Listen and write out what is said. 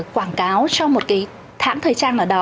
quảng cáo cho một cái thãng thời trang nào đó